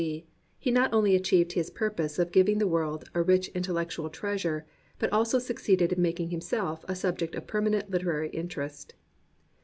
D., he not only achieved his purpose of giving the world "a rich intellectual treasure," but also succeeded in making himself a subject of permanent literary interest.